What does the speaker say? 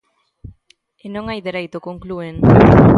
E non hai dereito, conclúen.